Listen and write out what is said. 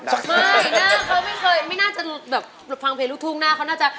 ไม่ไม่น่าจะฟังเพลงลูกทุ่งหน้าเค้าน่าจะ